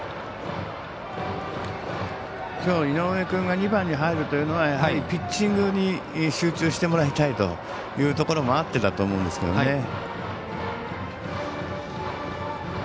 きょう、井上君が２番に入るというのはやはりピッチングに集中してもらいたいというところもあってだと思うんですけどね。